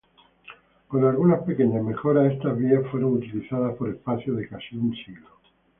Con algunas pequeñas mejoras estas vías fueron utilizadas por espacio de casi un siglo.